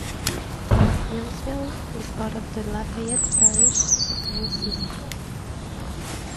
Youngsville is part of the Lafayette Parish School System.